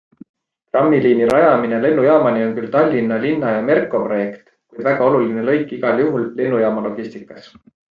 Trammiliini rajamine lennujaamani on küll Tallinna linna ja Merko projekt, kuid väga oluline lõik igal juhul lennujaama logistikas.